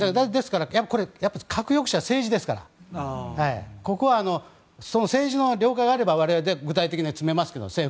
ですからやっぱり核抑止は政治ですからここはその政治の了解があれば我々は具体的に詰めますけど。